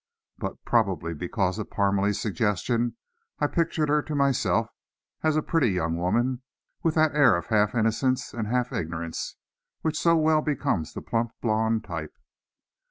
But, probably because of Parmalee's suggestion, I pictured her to myself as a pretty young woman with that air of half innocence and half ignorance which so well becomes the plump blonde type.